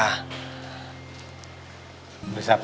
lagi kan ini tuh itu hari sabtu pak